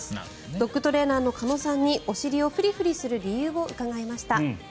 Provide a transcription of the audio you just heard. ドッグトレーナーの鹿野さんにお尻をフリフリする理由を伺いました。